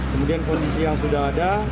kemudian kondisi yang sudah ada